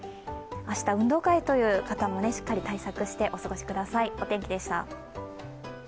明日、運動会という方もしっかり対策してお過ごしください。